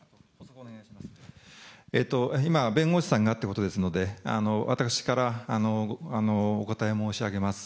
今、弁護士さんがっていうことですので、私からお答え申し上げます。